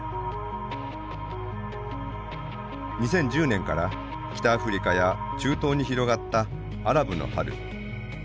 ２０１０年から北アフリカや中東に広がったアラブの春。